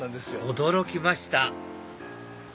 驚きました！